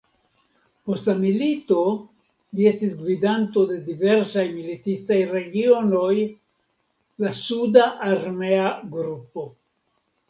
Post la milito li estis gvidanto de diversaj militistaj regionoj, la suda armea grupo.